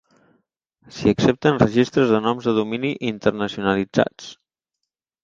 S'hi accepten registres de noms de domini internacionalitzats.